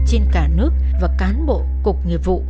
trên cả nước và cán bộ cục nghiệp vụ